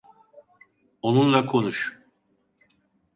Onunla konuş.